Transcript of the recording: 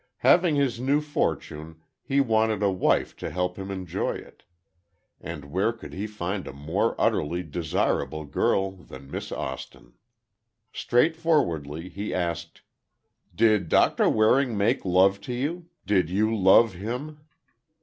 Having his new fortune, he wanted a wife to help him enjoy it, and where could he find a more utterly desirable girl than Miss Austin? Straightforwardly he asked: "Did Doctor Waring make love to you? Did you love him?"